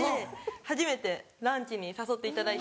初めてランチに誘っていただいて。